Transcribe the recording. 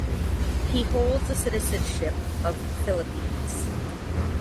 He holds the citizenship of Philippines.